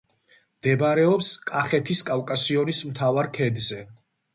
მდებარეობს კახეთის კავკასიონის მთავარ ქედზე.